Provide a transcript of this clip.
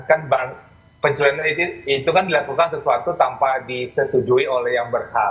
kan penculikan itu kan dilakukan sesuatu tanpa disetujui oleh yang berhak